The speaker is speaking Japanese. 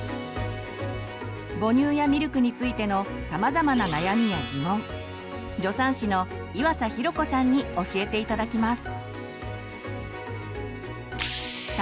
母乳やミルクについてのさまざまな悩みやギモン助産師の岩佐寛子さんに教えて頂きます。